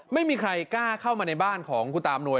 ไม่มีใครกล้าเข้ามาในบ้านของคุณตาอำนวย